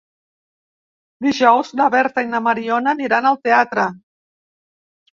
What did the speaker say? Dijous na Berta i na Mariona aniran al teatre.